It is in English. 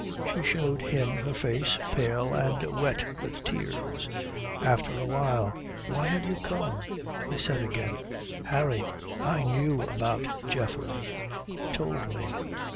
She showed him her face pale and wet with tears.... After a while, "Why have you come?" he said again. "Harry, I knew about Geoffrey. He told me."